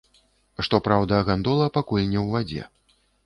Што праўда, гандола пакуль не ў вадзе.